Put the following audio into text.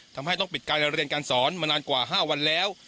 ทำให้ต้องปิดการเรียนการสอนมานานกว่า๕วันแล้ว